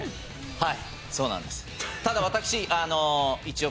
はい。